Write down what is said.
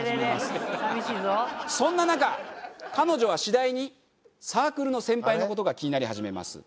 そんな中彼女は次第にサークルの先輩の事が気になり始めます。